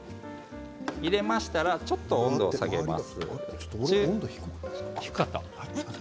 入れましたら温度を下げます。